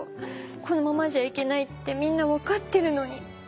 このままじゃいけないってみんな分かってるのに。